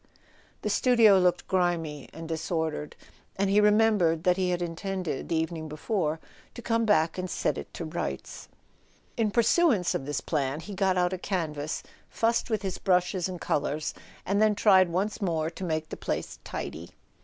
The studio looked grimy and disordered, and he re¬ membered that he had intended, the evening before, to come back and set it to rights. In pursuance of this plan, he got out a canvas, fussed with his brushes and colours, and then tried once more to make the place tidy.